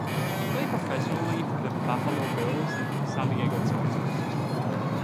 He played professionally for the Buffalo Bills and San Diego Chargers.